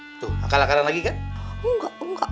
itu akal akalan mama kamu aja